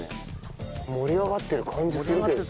盛り上がってる感じするけど。